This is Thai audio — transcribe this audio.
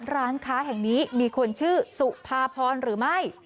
ร้านค้าแห่งนี้มีคนชื่อสุภาพรหรือไม่